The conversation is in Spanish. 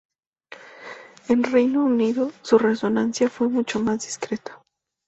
En Reino Unido, su resonancia fue mucho más discreta.